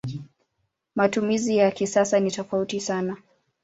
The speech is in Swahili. Matumizi ya kisasa ni tofauti sana.